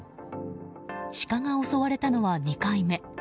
シカが襲われたのは２回目。